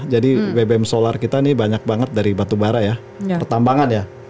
jadi bbm solar kita ini banyak banget dari batu bara ya pertambangan ya